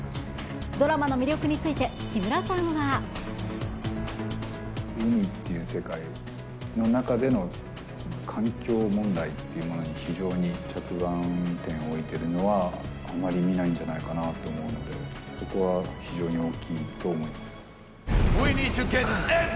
ドラマの魅力について木村さんは。海っていう世界の中での環境問題というものに、非常に着眼点を置いてるのは、あまり見ないんじゃないかなと思うんで、そこは非常に大きいと思います。